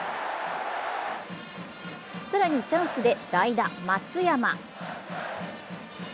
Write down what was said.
更にチャンスで代打・松山。